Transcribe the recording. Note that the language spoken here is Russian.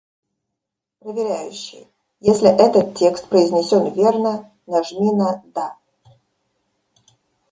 Проверяющий, если этот текст произнесён верно, нажми на "Да".